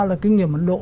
là cái nghiệp mặt độ